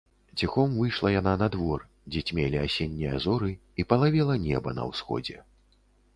Ціхом выйшла яна на двор, дзе цьмелі асеннія зоры і палавела неба на ўсходзе.